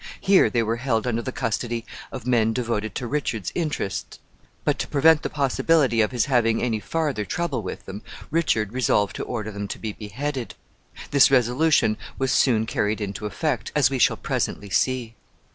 Here they were held under the custody of men devoted to Richard's interest. But to prevent the possibility of his having any farther trouble with them, Richard resolved to order them to be beheaded. This resolution was soon carried into effect, as we shall presently see.